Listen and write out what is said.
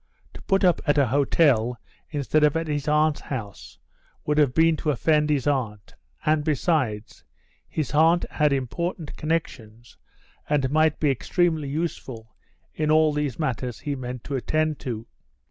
To put up at an hotel instead of at his aunt's house would have been to offend his aunt, and, besides, his aunt had important connections and might be extremely useful in all these matters he meant to attend to.